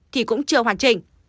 thì cũng chưa hoàn trình